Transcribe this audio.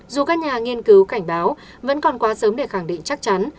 dù các nhà nghiên cứu cảnh báo vẫn còn quá sớm để khẳng định chắc chắn